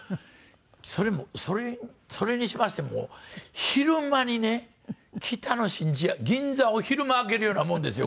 それもそれにしましても昼間にね北の新地銀座を昼間開けるようなもんですよ